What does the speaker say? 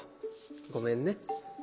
ごめんね。